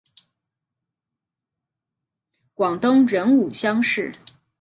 广东壬午乡试。